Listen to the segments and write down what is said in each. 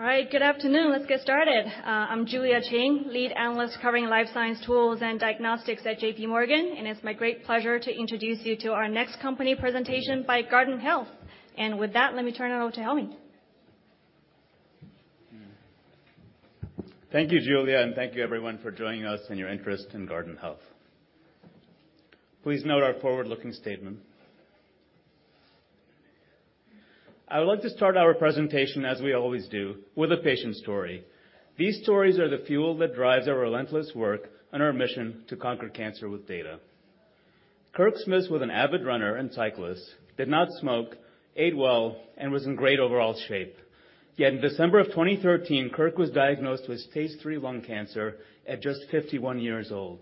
All right. Good afternoon. Let's get started. I'm Julia Chen, lead analyst covering life science tools and diagnostics at JPMorgan, and it's my great pleasure to introduce you to our next company presentation by Guardant Health. With that, let me turn it over to Helmy. Thank you, Julia, and thank you everyone for joining us and your interest in Guardant Health. Please note our forward-looking statement. I would like to start our presentation as we always do, with a patient story. These stories are the fuel that drives our relentless work and our mission to conquer cancer with data. Kirk Smith was an avid runner and cyclist, did not smoke, ate well, and was in great overall shape. Yet in December of 2013, Kirk was diagnosed with stage three lung cancer at just 51 years old.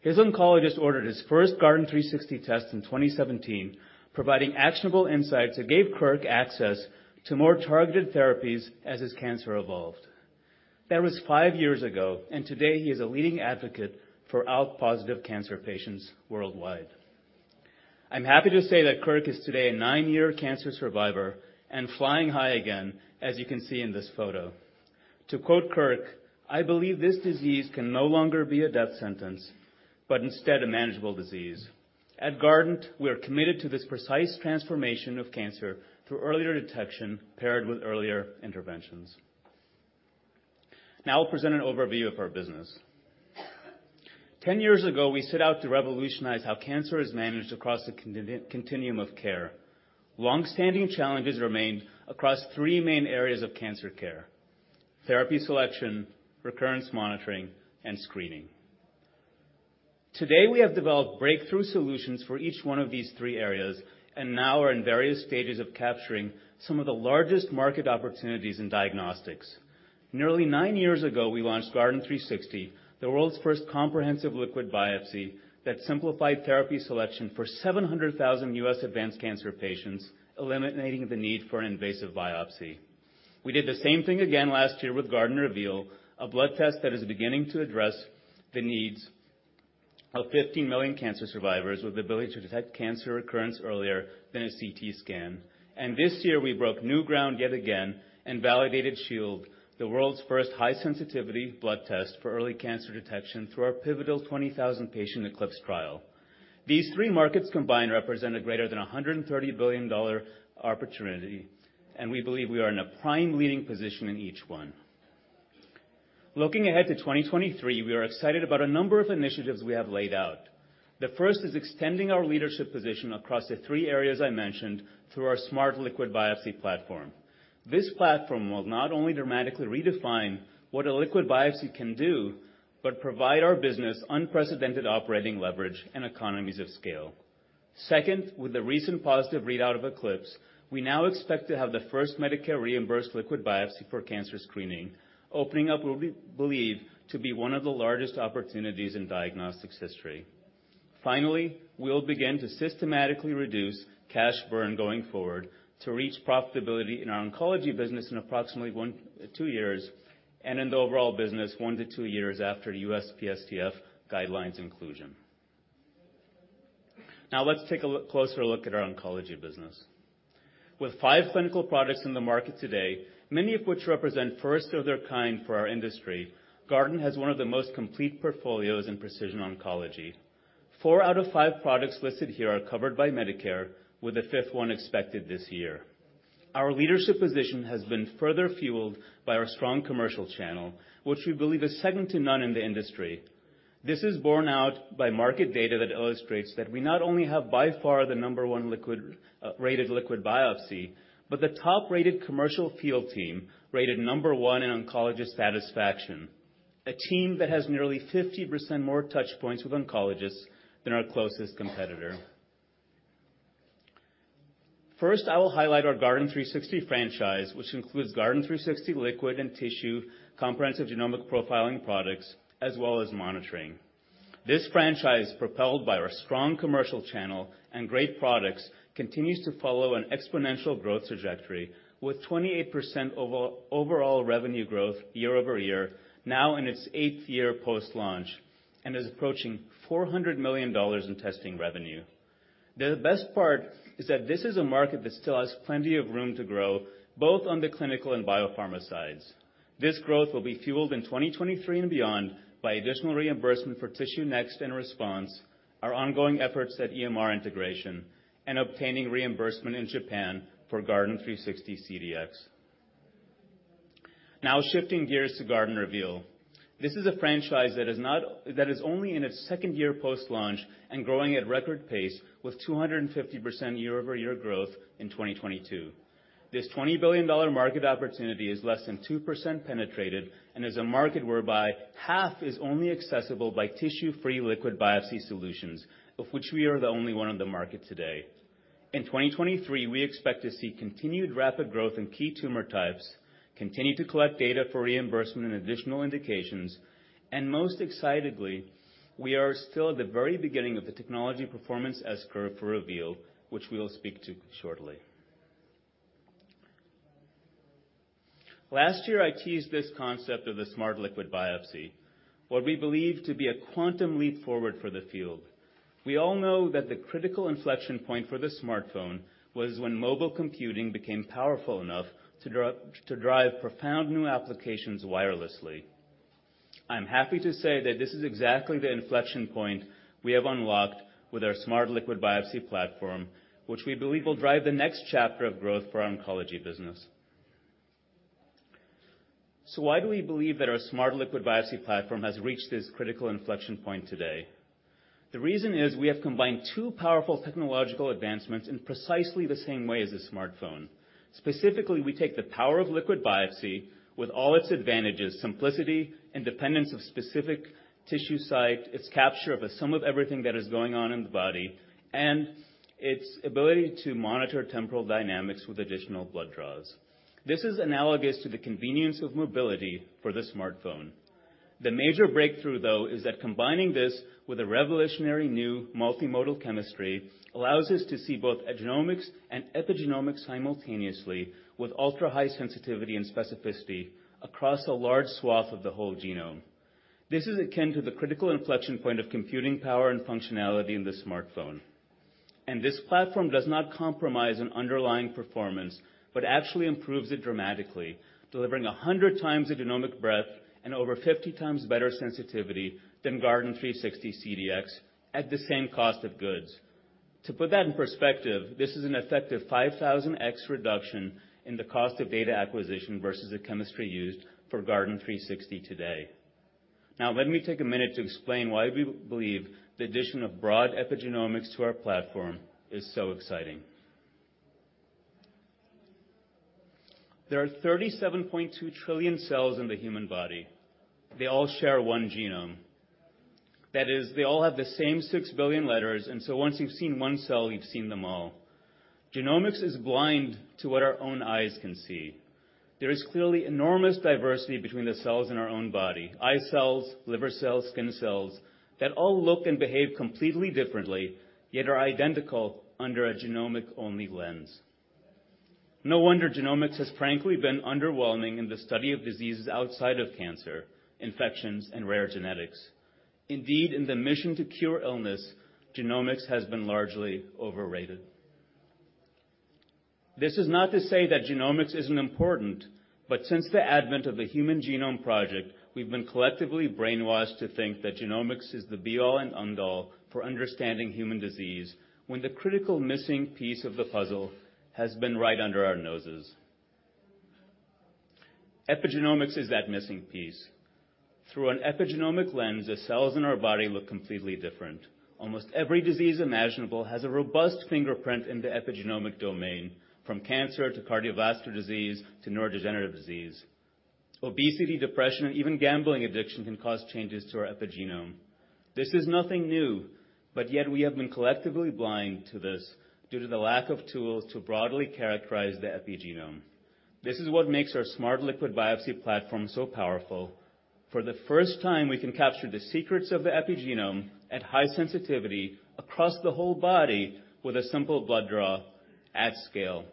His oncologist ordered his first Guardant360 test in 2017, providing actionable insights that gave Kirk access to more targeted therapies as his cancer evolved. That was five years ago, and today he is a leading advocate for ALK-positive cancer patients worldwide. I'm happy to say that Kirk is today a nine-year cancer survivor and flying high again, as you can see in this photo. To quote Kirk, "I believe this disease can no longer be a death sentence, but instead a manageable disease." At Guardant, we are committed to this precise transformation of cancer through earlier detection paired with earlier interventions. I'll present an overview of our business. 10 years ago, we set out to revolutionize how cancer is managed across the continuum of care. Long-standing challenges remained across three main areas of cancer care: therapy selection, recurrence monitoring, and screening. Today, we have developed breakthrough solutions for each one of these three areas and now are in various stages of capturing some of the largest market opportunities in diagnostics. Nearly nine years ago, we launched Guardant360, the world's first comprehensive liquid biopsy that simplified therapy selection for 700,000 U.S. advanced cancer patients, eliminating the need for an invasive biopsy. We did the same thing again last year with Guardant Reveal, a blood test that is beginning to address the needs of 50 million cancer survivors with the ability to detect cancer recurrence earlier than a CT scan. This year, we broke new ground yet again and validated Shield, the world's first high-sensitivity blood test for early cancer detection through our pivotal 20,000 patient ECLIPSE trial. These three markets combined represent a greater than a $130 billion opportunity, and we believe we are in a prime leading position in each one. Looking ahead to 2023, we are excited about a number of initiatives we have laid out. The first is extending our leadership position across the three areas I mentioned through our smart liquid biopsy platform. This platform will not only dramatically redefine what a liquid biopsy can do, but provide our business unprecedented operating leverage and economies of scale. Second, with the recent positive readout of ECLIPSE, we now expect to have the first Medicare reimbursed liquid biopsy for cancer screening, opening up what we believe to be one of the largest opportunities in diagnostics history. We'll begin to systematically reduce cash burn going forward to reach profitability in our oncology business in approximately 1-2 years, and in the overall business, 1-2 years after the USPSTF guidelines inclusion. Let's take a closer look at our oncology business. With five clinical products in the market today, many of which represent first of their kind for our industry, Guardant has one of the most complete portfolios in precision oncology. Four out of five products listed here are covered by Medicare, with a fifth one expected this year. Our leadership position has been further fueled by our strong commercial channel, which we believe is second to none in the industry. This is borne out by market data that illustrates that we not only have by far the number one liquid, rated liquid biopsy, but the top-rated commercial field team, rated number one in oncologist satisfaction, a team that has nearly 50% more touch points with oncologists than our closest competitor. First, I will highlight our Guardant360 franchise, which includes Guardant360 liquid and tissue comprehensive genomic profiling products, as well as monitoring. This franchise, propelled by our strong commercial channel and great products, continues to follow an exponential growth trajectory with 28% overall revenue growth year-over-year, now in its eighth year post-launch, and is approaching $400 million in testing revenue. The best part is that this is a market that still has plenty of room to grow, both on the clinical and biopharma sides. This growth will be fueled in 2023 and beyond by additional reimbursement for TissueNext and Response, our ongoing efforts at EMR integration, and obtaining reimbursement in Japan for Guardant360 CDx. Now shifting gears to Guardant Reveal. This is a franchise that is only in its second year post-launch and growing at record pace with 250% year-over-year growth in 2022. This $20 billion market opportunity is less than 2% penetrated and is a market whereby half is only accessible by tissue-free liquid biopsy solutions, of which we are the only one on the market today. In 2023, we expect to see continued rapid growth in key tumor types, continue to collect data for reimbursement and additional indications, and most excitedly, we are still at the very beginning of the technology performance S-curve for Reveal, which we will speak to shortly. Last year, I teased this concept of the smart liquid biopsy, what we believe to be a quantum leap forward for the field. We all know that the critical inflection point for the smartphone was when mobile computing became powerful enough to drive profound new applications wirelessly. I'm happy to say that this is exactly the inflection point we have unlocked with our smart liquid biopsy platform, which we believe will drive the next chapter of growth for our oncology business. Why do we believe that our smart liquid biopsy platform has reached this critical inflection point today? The reason is we have combined two powerful technological advancements in precisely the same way as a smartphone. Specifically, we take the power of liquid biopsy with all its advantages, simplicity, independence of specific tissue site, its capture of a sum of everything that is going on in the body, and its ability to monitor temporal dynamics with additional blood draws. This is analogous to the convenience of mobility for the smartphone. The major breakthrough, though, is that combining this with a revolutionary new multimodal chemistry allows us to see both genomics and epigenomics simultaneously with ultra-high sensitivity and specificity across a large swath of the whole genome. This platform does not compromise an underlying performance, but actually improves it dramatically, delivering 100 times the genomic breadth and over 50 times better sensitivity than Guardant360 CDx at the same cost of goods. To put that in perspective, this is an effective 5,000x reduction in the cost of data acquisition versus the chemistry used for Guardant360 today. Let me take a minute to explain why we believe the addition of broad epigenomics to our platform is so exciting. There are 37.2 trillion cells in the human body. They all share one genome. That is, they all have the same 6 billion letters. Once you've seen one cell, you've seen them all. Genomics is blind to what our own eyes can see. There is clearly enormous diversity between the cells in our own body, eye cells, liver cells, skin cells, that all look and behave completely differently, yet are identical under a genomic-only lens. No wonder genomics has frankly been underwhelming in the study of diseases outside of cancer, infections, and rare genetics. Indeed, in the mission to cure illness, genomics has been largely overrated. This is not to say that genomics isn't important. Since the advent of the Human Genome Project, we've been collectively brainwashed to think that genomics is the be-all and end-all for understanding human disease when the critical missing piece of the puzzle has been right under our noses. Epigenomics is that missing piece. Through an epigenomic lens, the cells in our body look completely different. Almost every disease imaginable has a robust fingerprint in the epigenomic domain, from cancer to cardiovascular disease to neurodegenerative disease. Obesity, depression, and even gambling addiction can cause changes to our epigenome. Yet we have been collectively blind to this due to the lack of tools to broadly characterize the epigenome. This is what makes our smart liquid biopsy platform so powerful. For the first time, we can capture the secrets of the epigenome at high sensitivity across the whole body with a simple blood draw at scale.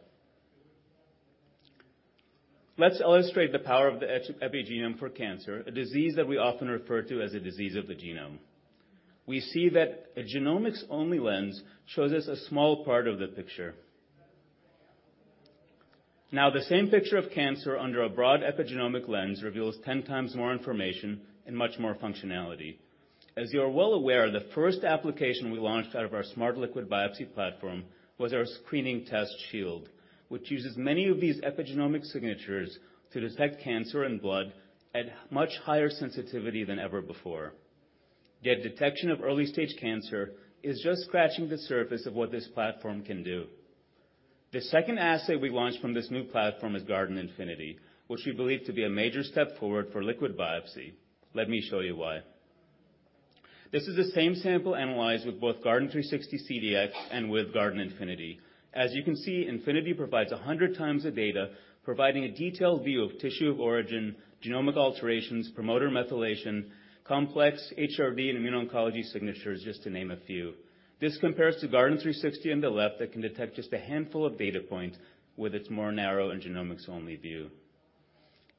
Let's illustrate the power of the epigenome for cancer, a disease that we often refer to as a disease of the genome. We see that a genomics-only lens shows us a small part of the picture. The same picture of cancer under a broad epigenomic lens reveals 10 times more information and much more functionality. You are well aware, the first application we launched out of our smart liquid biopsy platform was our screening test Shield, which uses many of these epigenomic signatures to detect cancer and blood at much higher sensitivity than ever before. Detection of early-stage cancer is just scratching the surface of what this platform can do. The second assay we launched from this new platform is Guardant Infinity, which we believe to be a major step forward for liquid biopsy. Let me show you why. This is the same sample analyzed with both Guardant360 CDx and with Guardant Infinity. As you can see, Infinity provides 100 times the data, providing a detailed view of tissue of origin, genomic alterations, promoter methylation, complex HRD and immuno-oncology signatures, just to name a few. This compares to Guardant360 on the left that can detect just a handful of data points with its more narrow and genomics-only view.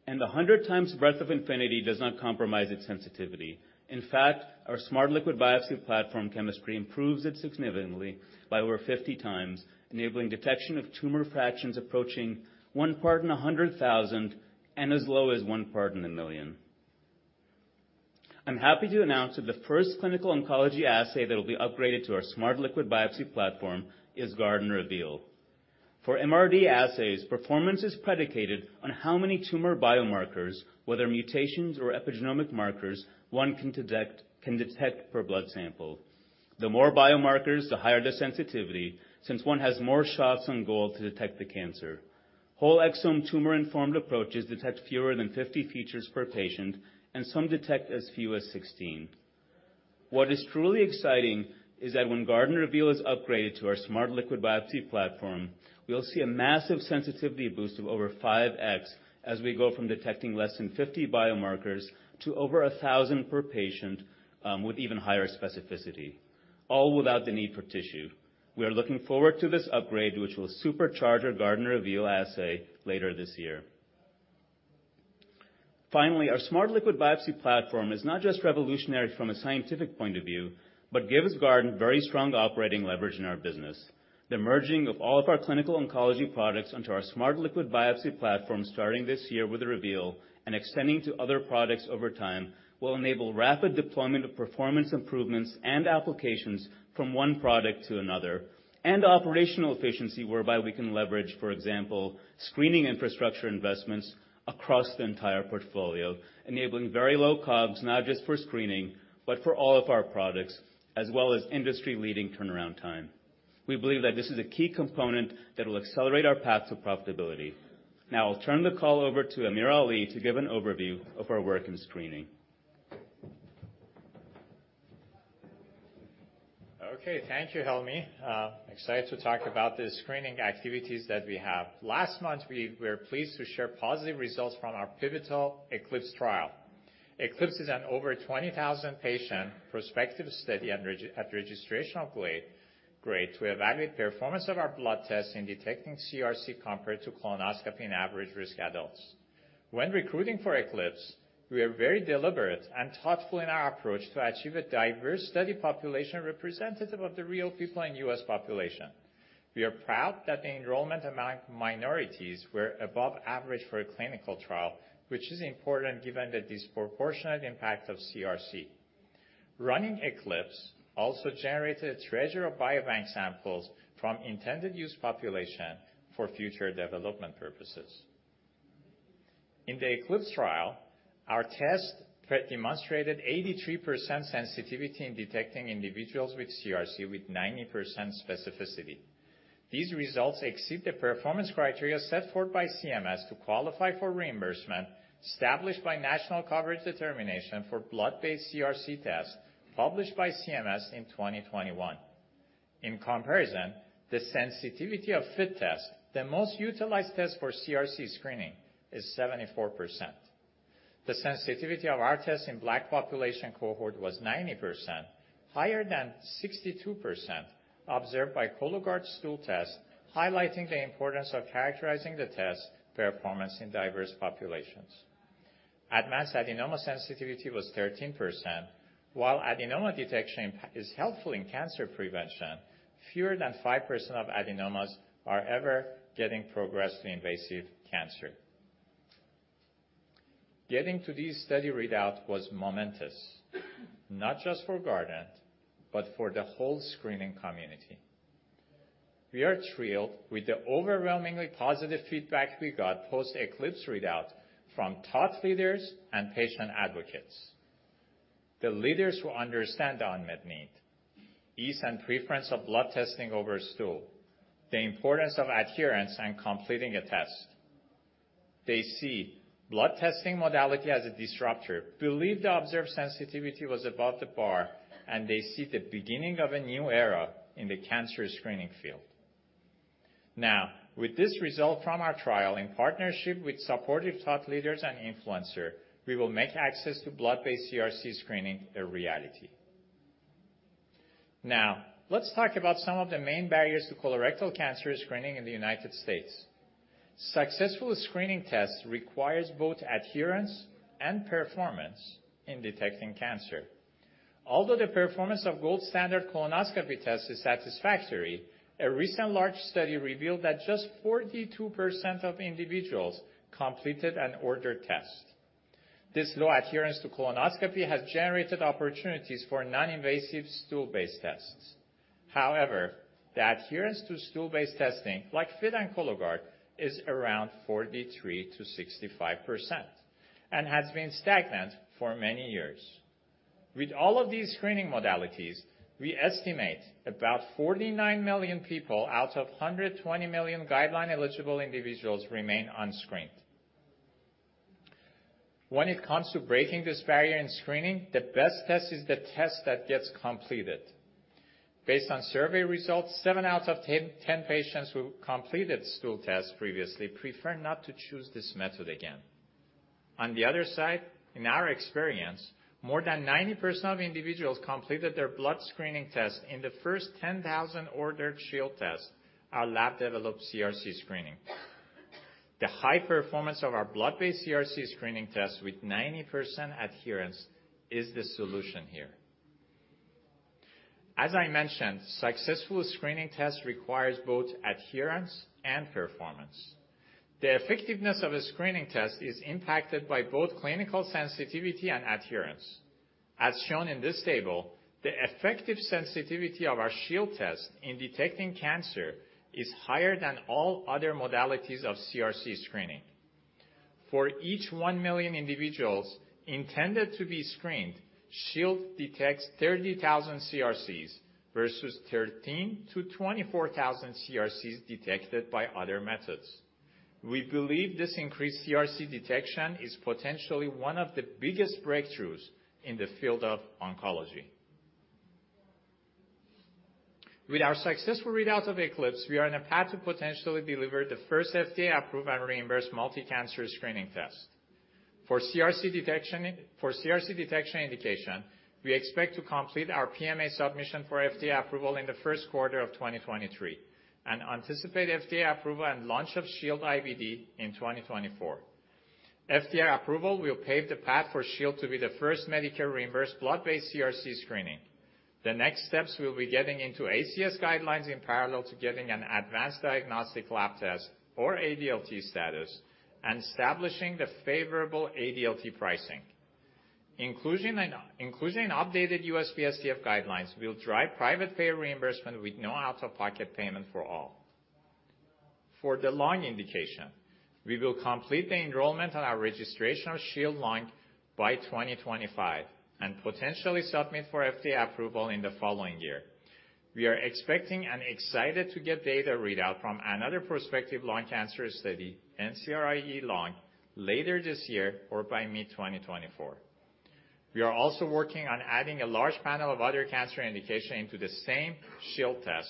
The 100 times breadth of Infinity does not compromise its sensitivity. In fact, our smart liquid biopsy platform chemistry improves it significantly by over 50 times, enabling detection of tumor fractions approaching 1 part in 100,000 and as low as 1 part in 1 million. I'm happy to announce that the first clinical oncology assay that will be upgraded to our smart liquid biopsy platform is Guardant Reveal. For MRD assays, performance is predicated on how many tumor biomarkers, whether mutations or epigenomic markers, one can detect per blood sample. The more biomarkers, the higher the sensitivity, since one has more shots on goal to detect the cancer. Whole exome tumor-informed approaches detect fewer than 50 features per patient, and some detect as few as 16. What is truly exciting is that when Guardant Reveal is upgraded to our smart liquid biopsy platform, we'll see a massive sensitivity boost of over 5x as we go from detecting less than 50 biomarkers to over 1,000 per patient with even higher specificity. All without the need for tissue. We are looking forward to this upgrade, which will supercharge our Guardant Reveal assay later this year. Finally, our smart liquid biopsy platform is not just revolutionary from a scientific point of view, but gives Guardant very strong operating leverage in our business. The merging of all of our clinical oncology products onto our smart liquid biopsy platform, starting this year with the Reveal and extending to other products over time, will enable rapid deployment of performance improvements and applications from one product to another, and operational efficiency whereby we can leverage, for example, screening infrastructure investments across the entire portfolio, enabling very low COGS, not just for screening, but for all of our products, as well as industry-leading turnaround time. We believe that this is a key component that will accelerate our path to profitability. Now I'll turn the call over to AmirAli to give an overview of our work in screening. Okay. Thank you, Helmy. excited to talk about the screening activities that we have. Last month, we're pleased to share positive results from our pivotal ECLIPSE trial. ECLIPSE is an over 20,000 patient prospective study at registrational grade to evaluate performance of our blood test in detecting CRC compared to colonoscopy in average-risk adults. When recruiting for ECLIPSE, we are very deliberate and thoughtful in our approach to achieve a diverse study population representative of the real people in U.S. population. We are proud that the enrollment among minorities were above average for a clinical trial, which is important given the disproportionate impact of CRC. Running ECLIPSE also generated a treasure of biobank samples from intended use population for future development purposes. In the ECLIPSE trial, our test demonstrated 83% sensitivity in detecting individuals with CRC with 90% specificity. These results exceed the performance criteria set forth by CMS to qualify for reimbursement established by National Coverage Determination for blood-based CRC test published by CMS in 2021. In comparison, the sensitivity of FIT test, the most utilized test for CRC screening, is 74%. The sensitivity of our test in Black population cohort was 90%, higher than 62% observed by Cologuard stool test, highlighting the importance of characterizing the test performance in diverse populations. Advanced adenoma sensitivity was 13%. Adenoma detection is helpful in cancer prevention, fewer than 5% of adenomas are ever getting progressed to invasive cancer. Getting to this study readout was momentous, not just for Guardant, but for the whole screening community. We are thrilled with the overwhelmingly positive feedback we got post ECLIPSE readout from thought leaders and patient advocates. The leaders who understand the unmet need, ease and preference of blood testing over stool, the importance of adherence in completing a test, they see blood testing modality as a disruptor, believe the observed sensitivity was above the bar, and they see the beginning of a new era in the cancer screening field. Now, with this result from our trial in partnership with supportive thought leaders and influencer, we will make access to blood-based CRC screening a reality. Now, let's talk about some of the main barriers to colorectal cancer screening in the United States. Successful screening test requires both adherence and performance in detecting cancer. Although the performance of gold standard colonoscopy test is satisfactory, a recent large study revealed that just 42% of individuals completed an ordered test. This low adherence to colonoscopy has generated opportunities for non-invasive stool-based tests. The adherence to stool-based testing, like FIT and Cologuard, is around 43%-65% and has been stagnant for many years. With all of these screening modalities, we estimate about 49 million people out of 120 million guideline-eligible individuals remain unscreened. When it comes to breaking this barrier in screening, the best test is the test that gets completed. Based on survey results, 7 out of 10 patients who completed stool tests previously prefer not to choose this method again. On the other side, in our experience, more than 90% of individuals completed their blood screening test in the first 10,000 ordered Shield test, our lab developed CRC screening. The high performance of our blood-based CRC screening test with 90% adherence is the solution here. As I mentioned, successful screening test requires both adherence and performance. The effectiveness of a screening test is impacted by both clinical sensitivity and adherence. As shown in this table, the effective sensitivity of our Shield test in detecting cancer is higher than all other modalities of CRC screening. For each 1 million individuals intended to be screened, Shield detects 30,000 CRCs versus 13,000-24,000 CRCs detected by other methods. We believe this increased CRC detection is potentially one of the biggest breakthroughs in the field of oncology. With our successful readout of ECLIPSE, we are on a path to potentially deliver the first FDA-approved and reimbursed multi-cancer screening test. For CRC detection indication, we expect to complete our PMA submission for FDA approval in the Q1 of 2023, and anticipate FDA approval and launch of Shield IVD in 2024. FDA approval will pave the path for Shield to be the first Medicare-reimbursed blood-based CRC screening. The next steps will be getting into ACS guidelines in parallel to getting an advanced diagnostic lab test or ADLT status, and establishing the favorable ADLT pricing. Inclusion and updated USPSTF guidelines will drive private payer reimbursement with no out-of-pocket payment for all. For the lung indication, we will complete the enrollment on our registration of Shield Lung by 2025, and potentially submit for FDA approval in the following year. We are expecting and excited to get data readout from another prospective lung cancer study, NCIRE-LUNG, later this year or by mid-2024. We are also working on adding a large panel of other cancer indication into the same Shield test.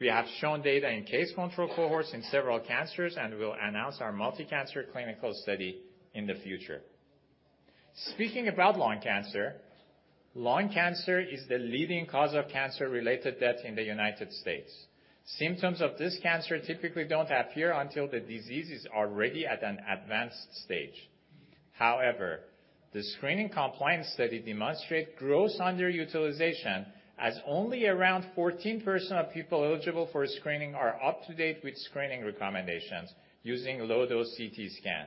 We have shown data in case control cohorts in several cancers, and we'll announce our multi-cancer clinical study in the future. Speaking about lung cancer, lung cancer is the leading cause of cancer-related death in the United States. Symptoms of this cancer typically don't appear until the disease is already at an advanced stage. However, the screening compliance study demonstrate gross underutilization as only around 14% of people eligible for a screening are up to date with screening recommendations using low-dose CT scan.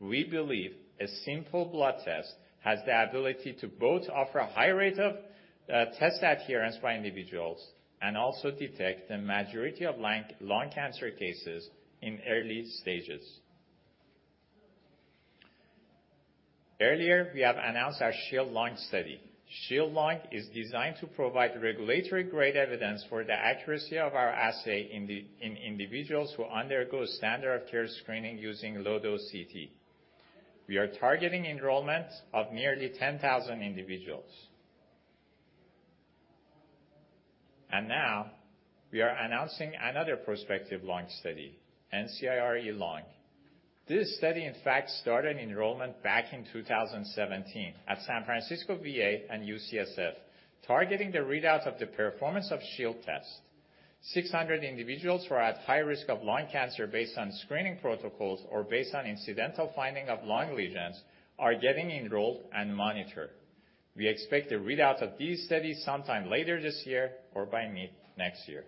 We believe a simple blood test has the ability to both offer a high rate of test adherence by individuals and also detect the majority of lung cancer cases in early stages. Earlier, we have announced our SHIELD Lung study. SHIELD Lung is designed to provide registrational-grade evidence for the accuracy of our assay in individuals who undergo standard of care screening using low-dose CT. We are targeting enrollment of nearly 10,000 individuals. Now we are announcing another prospective lung study, NCIRE-LUNG. This study, in fact, started enrollment back in 2017 at San Francisco VA and UCSF, targeting the readout of the performance of Shield test. 600 individuals who are at high risk of lung cancer based on screening protocols or based on incidental finding of lung lesions are getting enrolled and monitored. We expect the readout of these studies sometime later this year or by mid next year.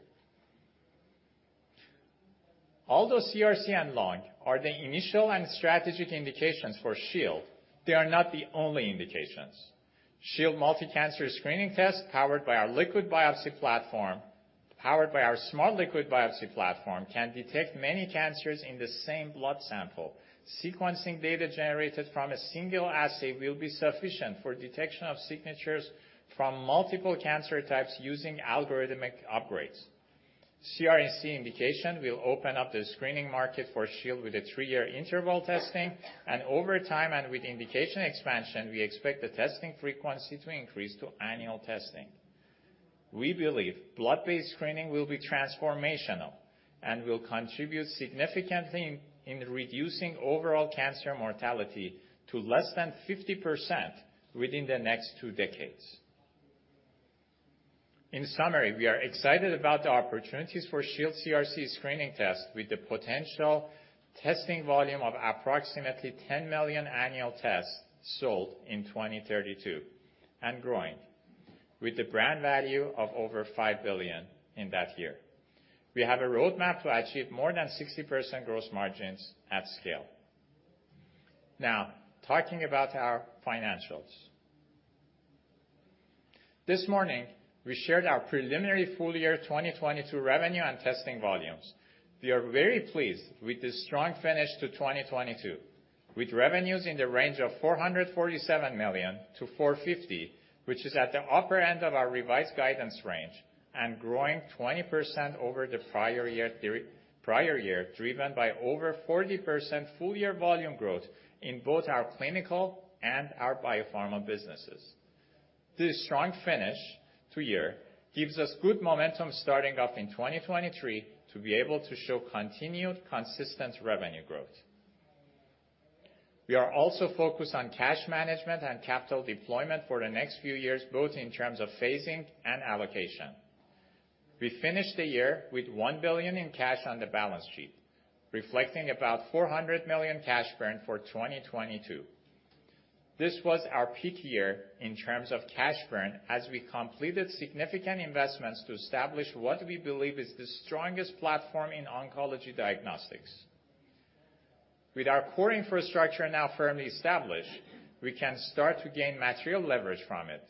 Although CRC and lung are the initial and strategic indications for Shield, they are not the only indications. Shield multi-cancer screening test, powered by our Smart Liquid Biopsy platform, can detect many cancers in the same blood sample. Sequencing data generated from a single assay will be sufficient for detection of signatures from multiple cancer types using algorithmic upgrades. CRC indication will open up the screening market for Shield with a a three-year interval testing, and over time and with indication expansion, we expect the testing frequency to increase to annual testing. We believe blood-based screening will be transformational and will contribute significantly in reducing overall cancer mortality to less than 50% within the next two decades. In summary, we are excited about the opportunities for Shield CRC screening test with the potential testing volume of approximately 10 million annual tests sold in 2032 and growing, with a brand value of over $5 billion in that year. We have a roadmap to achieve more than 60% gross margins at scale. Talking about our financials. This morning, we shared our preliminary full year 2022 revenue and testing volumes. We are very pleased with the strong finish to 2022, with revenues in the range of $447 million-$450 million, which is at the upper end of our revised guidance range and growing 20% over the prior year, driven by over 40% full year volume growth in both our clinical and our biopharma businesses. This strong finish to year gives us good momentum starting off in 2023 to be able to show continued consistent revenue growth. We are also focused on cash management and capital deployment for the next few years, both in terms of phasing and allocation. We finished the year with $1 billion in cash on the balance sheet, reflecting about $400 million cash burn for 2022. This was our peak year in terms of cash burn as we completed significant investments to establish what we believe is the strongest platform in oncology diagnostics. With our core infrastructure now firmly established, we can start to gain material leverage from it.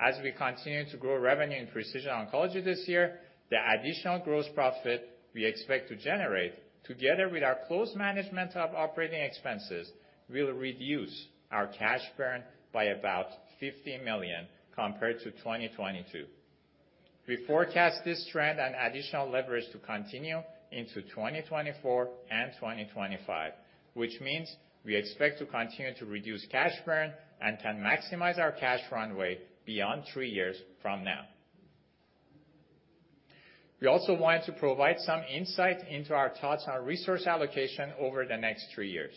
As we continue to grow revenue in precision oncology this year, the additional gross profit we expect to generate together with our close management of operating expenses, will reduce our cash burn by about $50 million compared to 2022. We forecast this trend and additional leverage to continue into 2024 and 2025, which means we expect to continue to reduce cash burn and can maximize our cash runway beyond 3 years from now. We also wanted to provide some insight into our thoughts on resource allocation over the next 3 years.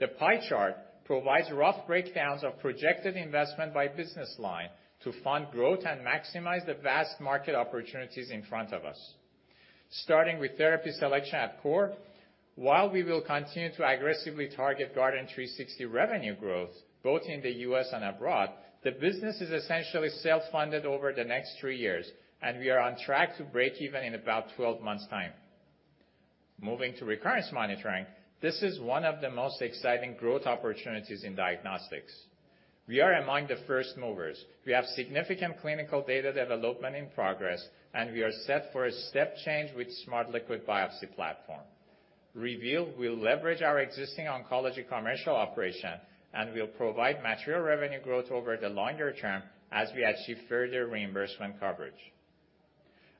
The pie chart provides rough breakdowns of projected investment by business line to fund growth and maximize the vast market opportunities in front of us. Starting with therapy selection at core, while we will continue to aggressively target Guardant360 revenue growth, both in the U.S. and abroad, the business is essentially self-funded over the next 3 years, and we are on track to break even in about 12 months' time. Moving to recurrence monitoring, this is one of the most exciting growth opportunities in diagnostics. We are among the first movers. We have significant clinical data development in progress. We are set for a step change with smart liquid biopsy platform. Reveal will leverage our existing oncology commercial operation and will provide material revenue growth over the longer term as we achieve further reimbursement coverage.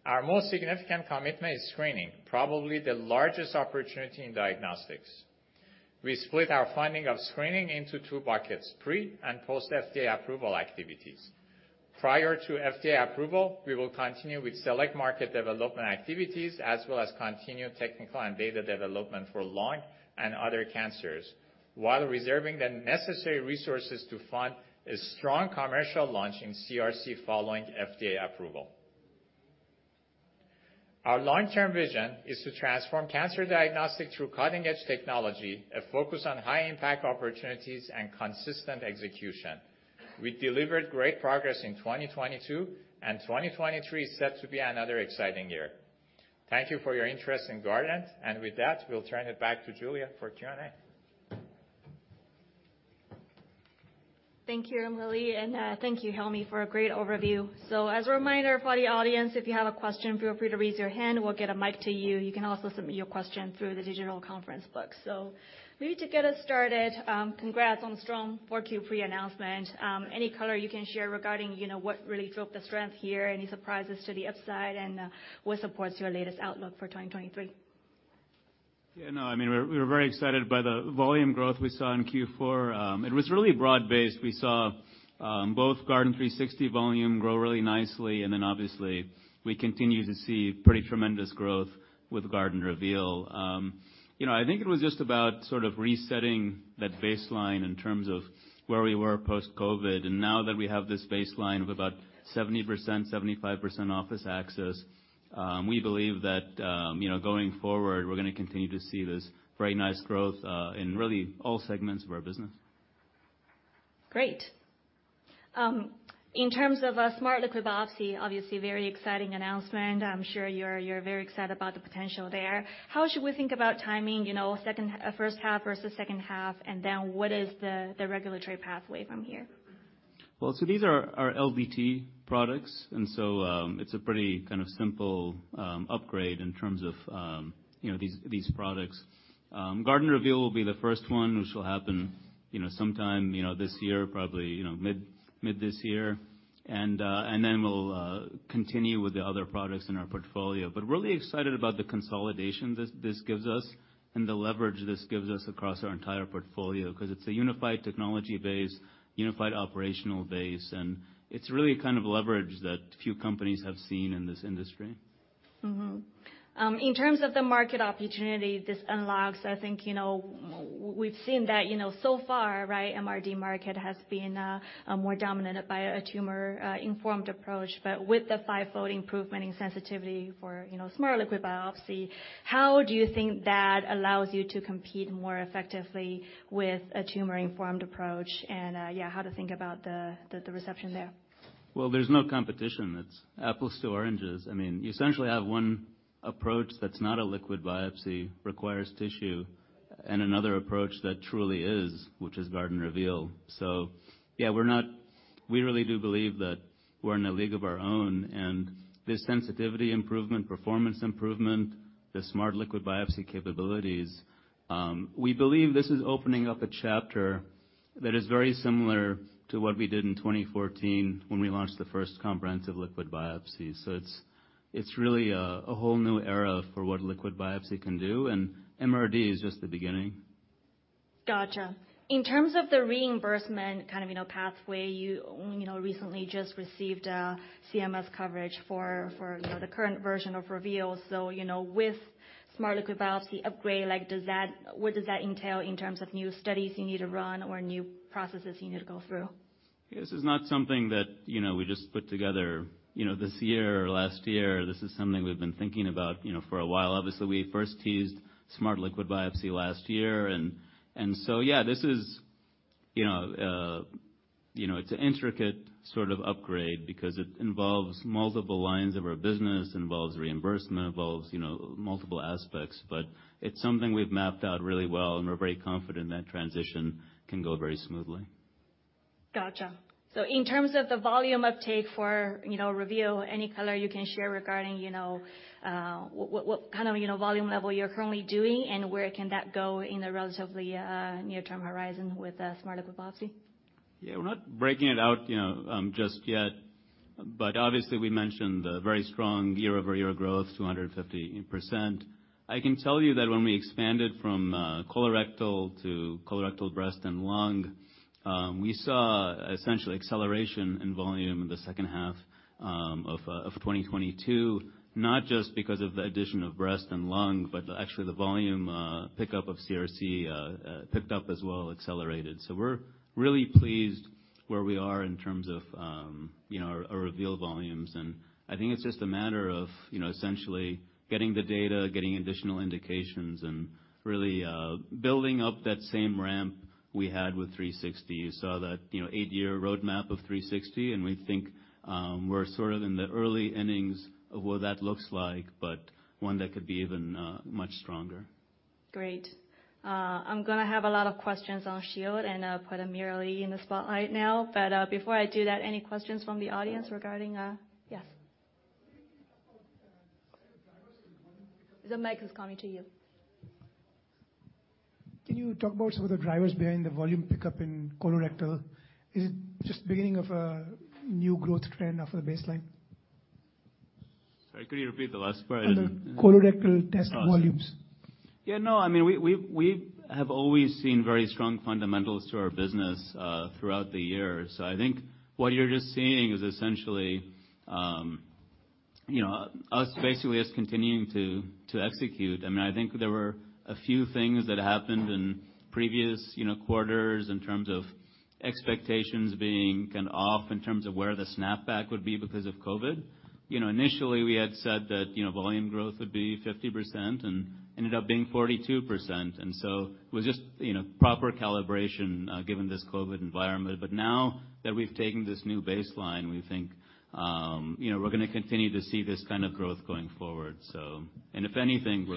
Our most significant commitment is screening, probably the largest opportunity in diagnostics. We split our funding of screening into two buckets, pre- and post-FDA approval activities. Prior to FDA approval, we will continue with select market development activities as well as continue technical and data development for lung and other cancers, while reserving the necessary resources to fund a strong commercial launch in CRC following FDA approval. Our long-term vision is to transform cancer diagnostic through cutting-edge technology, a focus on high-impact opportunities, and consistent execution. We delivered great progress in 2022. 2023 is set to be another exciting year. Thank you for your interest in Guardant, and with that, we'll turn it back to Julia for Q&A. Thank you, AmirAli, and thank you, Helmy, for a great overview. As a reminder for the audience, if you have a question, feel free to raise your hand. We'll get a mic to you. You can also submit your question through the digital conference book. Maybe to get us started, congrats on strong 4Q pre-announcement. Any color you can share regarding, you know, what really drove the strength here, any surprises to the upside and what supports your latest outlook for 2023? Yeah, no, I mean, we're very excited by the volume growth we saw in Q4. It was really broad-based. We saw both Guardant360 volume grow really nicely and then, obviously, we continue to see pretty tremendous growth with Guardant Reveal. You know, I think it was just about sort of resetting that baseline in terms of where we were post-COVID. Now that we have this baseline of about 70%, 75% office access, we believe that, you know, going forward, we're gonna continue to see this very nice growth in really all segments of our business. Great. In terms of smart liquid biopsy, obviously very exciting announcement. I'm sure you're very excited about the potential there. How should we think about timing, you know, first half versus second half, and then what is the regulatory pathway from here? These are our LDT products, it's a pretty kind of simple upgrade in terms of these products. Guardant Reveal will be the first one, which will happen sometime this year, probably mid this year. We'll continue with the other products in our portfolio. Really excited about the consolidation this gives us and the leverage this gives us across our entire portfolio, 'cause it's a unified technology base, unified operational base, and it's really a kind of leverage that few companies have seen in this industry. In terms of the market opportunity this unlocks, I think, you know, we've seen that, you know, so far, right, MRD market has been more dominated by a tumor-informed approach. With the 5-fold improvement in sensitivity for, you know, smart liquid biopsy, how do you think that allows you to compete more effectively with a tumor-informed approach? Yeah, how to think about the reception there? Well, there's no competition. It's apples to oranges. I mean, you essentially have one approach that's not a liquid biopsy, requires tissue, and another approach that truly is, which is Guardant Reveal. Yeah, we really do believe that we're in a league of our own, and this sensitivity improvement, performance improvement, the smart liquid biopsy capabilities, we believe this is opening up a chapter that is very similar to what we did in 2014 when we launched the first comprehensive liquid biopsy. It's really a whole new era for what liquid biopsy can do, and MRD is just the beginning. Gotcha. In terms of the reimbursement kind of, you know, pathway, you know, recently just received a CMS coverage for, you know, the current version of Guardant Reveal. With smart liquid biopsy upgrade, like, what does that entail in terms of new studies you need to run or new processes you need to go through? This is not something that, you know, we just put together, you know, this year or last year. This is something we've been thinking about, you know, for a while. Obviously, we first teased smart liquid biopsy last year, yeah, this is, you know, it's an intricate sort of upgrade because it involves multiple lines of our business, involves reimbursement, involves, you know, multiple aspects. It's something we've mapped out really well, and we're very confident that transition can go very smoothly. Gotcha. In terms of the volume uptake for, you know, Reveal, any color you can share regarding, you know, what kind of, you know, volume level you're currently doing and where can that go in the relatively near-term horizon with smart liquid biopsy? Yeah. We're not breaking it out, you know, just yet, but obviously we mentioned the very strong year-over-year growth, 250%. I can tell you that when we expanded from colorectal to colorectal, breast and lung, we saw essentially acceleration in volume in the second half of 2022. Not just because of the addition of breast and lung, but actually the volume pickup of CRC picked up as well, accelerated. We're really pleased where we are in terms of, you know, our Reveal volumes. I think it's just a matter of, you know, essentially getting the data, getting additional indications, and really building up that same ramp we had with 360. You saw that, you know, 8-year roadmap of Guardant360, and we think, we're sort of in the early innings of what that looks like, but one that could be even much stronger. Great. I'm gonna have a lot of questions on Shield and put AmirAli in the spotlight now. Before I do that, any questions from the audience regarding... Yes. The mic is coming to you. Can you talk about some of the drivers behind the volume pickup in colorectal? Is it just beginning of a new growth trend after baseline? Sorry, could you repeat the last part? On the colorectal test volumes. Yeah, no, I mean, we have always seen very strong fundamentals to our business throughout the years. I think what you're just seeing is essentially, you know, us continuing to execute. I mean, I think there were a few things that happened in previous, you know, quarters in terms of expectations being kind of off in terms of where the snapback would be because of COVID. You know, initially, we had said that, you know, volume growth would be 50% and ended up being 42%. It was just, you know, proper calibration given this COVID environment. Now that we've taken this new baseline, we think, you know, we're gonna continue to see this kind of growth going forward, so. If anything,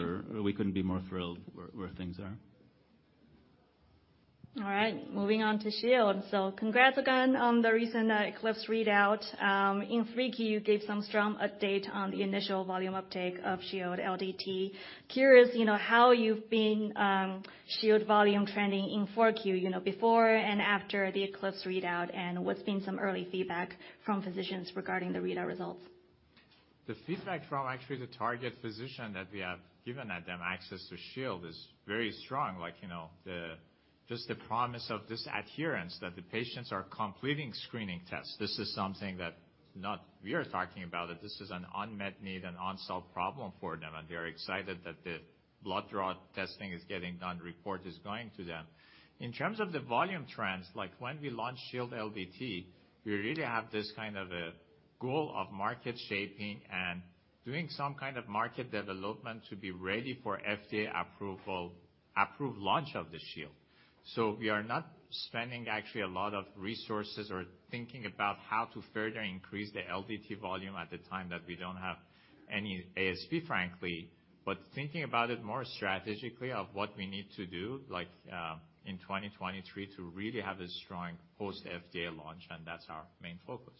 we couldn't be more thrilled where things are. All right, moving on to Shield. Congrats again on the recent ECLIPSE readout. In 3Q, you gave some strong update on the initial volume uptake of Shield LDT. Curious, you know, how you've been Shield volume trending in 4Q, you know, before and after the ECLIPSE readout, and what's been some early feedback from physicians regarding the readout results. The feedback from actually the target physician that we have given at them access to Shield is very strong. Like, you know, just the promise of this adherence that the patients are completing screening tests. This is something that not we are talking about, that this is an unmet need and unsolved problem for them. They're excited that the blood draw testing is getting done, report is going to them. In terms of the volume trends, like when we launched Shield LDT, we really have this kind of a goal of market shaping and doing some kind of market development to be ready for FDA approval, approved launch of the Shield. We are not spending actually a lot of resources or thinking about how to further increase the LDT volume at the time that we don't have any ASP, frankly. Thinking about it more strategically of what we need to do, like, in 2023 to really have a strong post-FDA launch, and that's our main focus.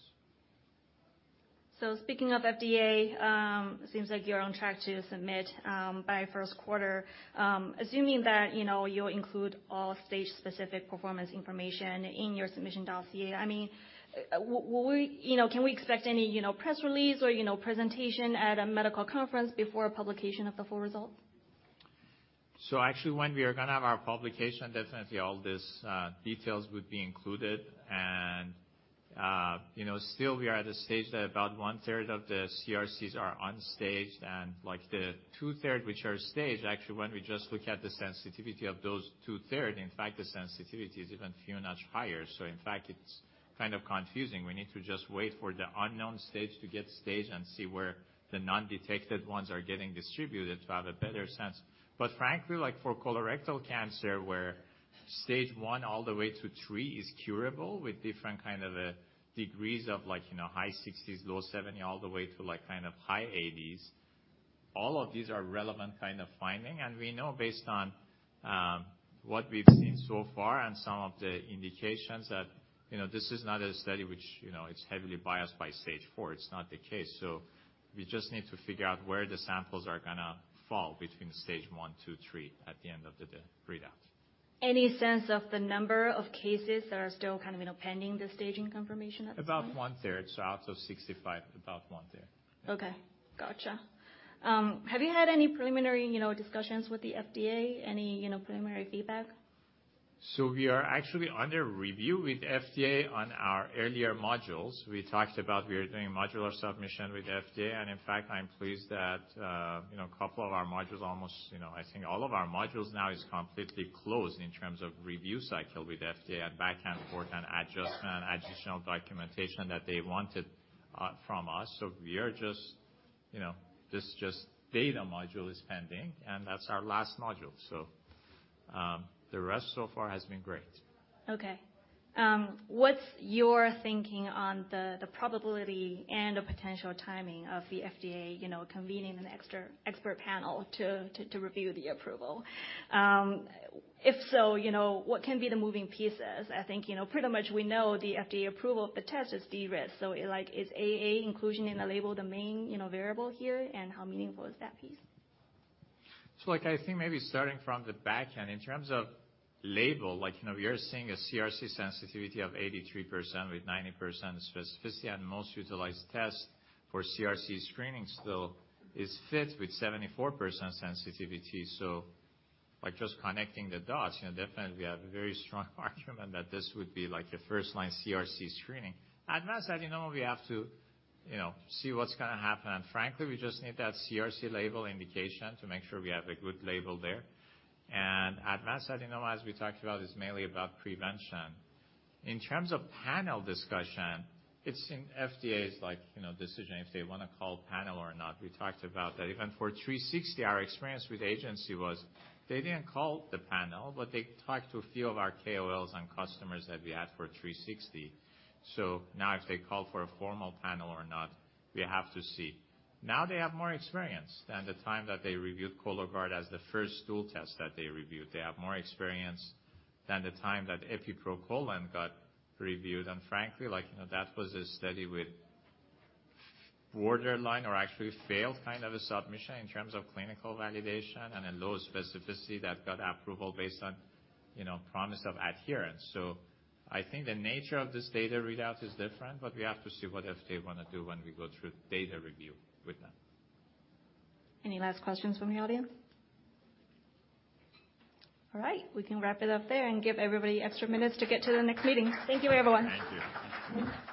Speaking of FDA, seems like you're on track to submit by Q1. Assuming that, you know, you'll include all stage-specific performance information in your submission dossier, I mean, will we, you know, can we expect any, you know, press release or, you know, presentation at a medical conference before publication of the full result? Actually, when we are gonna have our publication, definitely all these details would be included. You know, still we are at a stage that about one-third of the CRCs are unstaged. Like the two-third which are staged, actually, when we just look at the sensitivity of those two-third, in fact, the sensitivity is even few notch higher. In fact, it's kind of confusing. We need to just wait for the unknown stage to get staged and see where the non-detected ones are getting distributed to have a better sense. Frankly, like for colorectal cancer, where stage one all the way to three is curable with different kind of a degrees of like, you know, high sixties, low seventy, all the way to like kind of high eighties, all of these are relevant kind of finding. We know based on what we've seen so far and some of the indications that, you know, this is not a study which, you know, is heavily biased by stage 4. It's not the case. We just need to figure out where the samples are gonna fall between stage 1, 2, 3 at the end of the day readout. Any sense of the number of cases that are still kind of, you know, pending the staging confirmation at this time? About one-third. Out of 65, about one-third. Okay. Gotcha. Have you had any preliminary, you know, discussions with the FDA? Any, you know, preliminary feedback? We are actually under review with FDA on our earlier modules. We talked about we are doing modular submission with FDA. In fact, I'm pleased that, you know, a couple of our modules almost, you know, I think all of our modules now is completely closed in terms of review cycle with FDA and back and forth and adjustment. Yeah. Additional documentation that they wanted, from us. We are just, you know, this just data module is pending, and that's our last module. The rest so far has been great. Okay. What's your thinking on the probability and the potential timing of the FDA, you know, convening an extra expert panel to review the approval? If so, you know, what can be the moving pieces? I think, you know, pretty much we know the FDA approval of the test is de-risked. Is AA inclusion in the label the main, you know, variable here, and how meaningful is that piece? Like, I think maybe starting from the back end. In terms of label, like, you know, we are seeing a CRC sensitivity of 83% with 90% specificity, and most utilized test for CRC screening still is FIT with 74% sensitivity. By just connecting the dots, you know, definitely we have a very strong argument that this would be like a first-line CRC screening. Advanced adenoma, we have to, you know, see what's gonna happen. Frankly, we just need that CRC label indication to make sure we have a good label there. Advanced adenoma, as we talked about, is mainly about prevention. In terms of panel discussion, it's in FDA's like, you know, decision if they wanna call panel or not. We talked about that. Even for Guardant360, our experience with agency was they didn't call the panel, but they talked to a few of our KOLs and customers that we had for Guardant360. Now if they call for a formal panel or not, we have to see. Now they have more experience than the time that they reviewed Cologuard as the first stool test that they reviewed. They have more experience than the time that Epi proColon got reviewed. Frankly, like, you know, that was a study with borderline or actually failed kind of a submission in terms of clinical validation and a low specificity that got approval based on, you know, promise of adherence. I think the nature of this data readout is different, but we have to see what FDA wanna do when we go through data review with them. Any last questions from the audience? All right. We can wrap it up there and give everybody extra minutes to get to the next meeting. Thank you, everyone. Thank you.